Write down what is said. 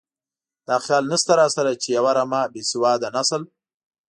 دا خیال نشته راسره چې یوه رمه بې سواده نسل.